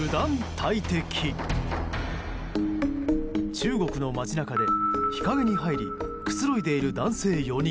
中国の街中で、日陰に入りくつろいでいる男性４人。